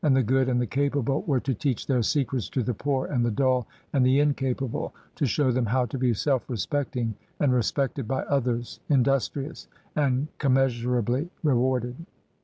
205 the good and the capable were to teach their secrets to the poor and the dull and the incapable, to show them how to be self respecting and respected by others, industrious, and commeasurably rewarded.